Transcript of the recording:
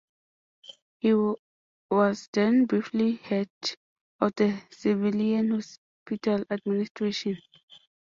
He was then briefly head of the civilian hospital administration.